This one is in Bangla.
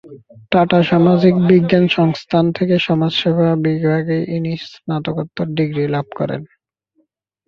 টাটা সামাজিক বিজ্ঞান সংস্থানের থেকে সমাজ সেবা বিভাগে ইনি স্নাতকোত্তর ডিগ্রী লাভ করেন।